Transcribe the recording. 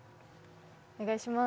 お願いします。